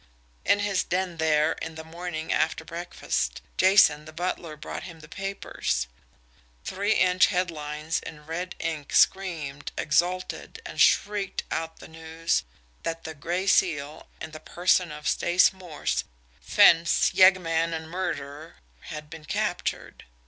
In his den there, in the morning after breakfast, Jason, the butler, brought him the papers. Three inch headlines in red ink screamed, exulted, and shrieked out the news that the Gray Seal, in the person of Stace Morse, fence, yeggman and murderer, had been captured.